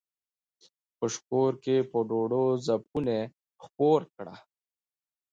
په شکور کښې په ډوډو څپُوڼے خپور کړه۔